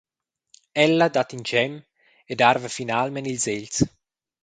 Ella dat in schem ed arva finalmein ils egls.